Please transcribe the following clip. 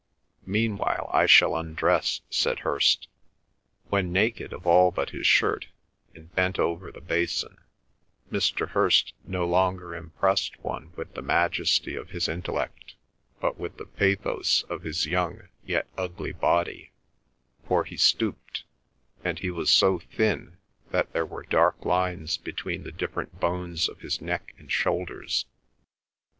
"Meanwhile I shall undress," said Hirst. When naked of all but his shirt, and bent over the basin, Mr. Hirst no longer impressed one with the majesty of his intellect, but with the pathos of his young yet ugly body, for he stooped, and he was so thin that there were dark lines between the different bones of his neck and shoulders.